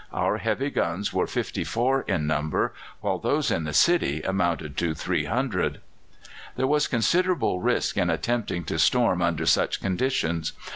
Our heavy guns were 54 in number, while those in the city amounted to 300. There was considerable risk in attempting to storm under such conditions.